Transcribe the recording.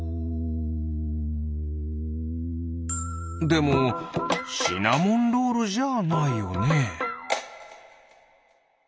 でもシナモンロールじゃないよね。